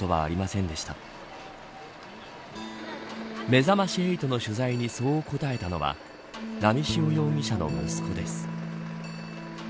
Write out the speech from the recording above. めざまし８の取材にそう答えたのは波汐容疑者の息子です。